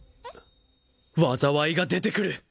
災いが出てくる。